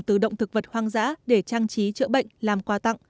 từ động thực vật hoang dã để trang trí chữa bệnh làm quà tặng